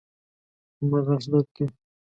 زما غاښ درد کوي